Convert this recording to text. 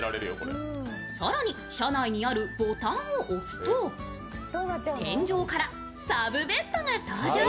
更に、車内にあるボタンを押すと天井からサブベッドが登場。